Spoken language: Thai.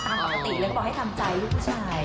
ตามอปตัสตรีแล้วบอกให้ตามใจลูกผู้ชาย